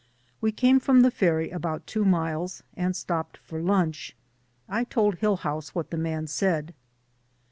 We came from the ferry about two miles, and stopped for lunch. I told Hillhouse what the man said.